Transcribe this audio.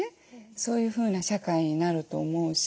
そういうふうな社会になると思うし。